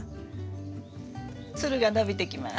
つるが伸びてきます。